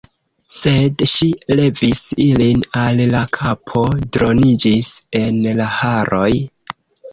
Sed ŝi levis ilin al la kapo, dronigis en la haroj.